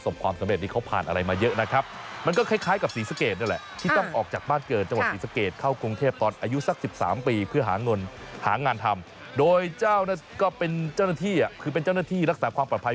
บรรยาโจ้เป็นเจ้าหน้าที่เป็นเจ้าหน้าที่รักษาความปลอดภัย